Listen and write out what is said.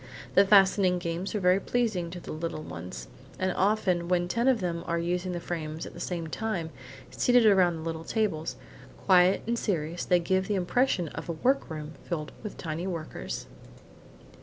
The fastening games are very pleasing to the little ones, and often when ten of them are using the frames at the same time, seated around the little tables, quiet and serious, they give the impression of a workroom filled with tiny workers.